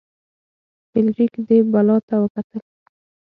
فلیریک دې بلا ته وکتل.